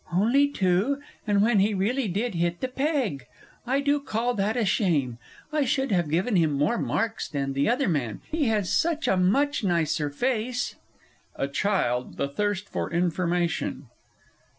Only two, and when he really did hit the peg! I do call that a shame. I should have given him more marks than the other man he has such a much nicer face! A CHILD WITH A THIRST FOR INFORMATION.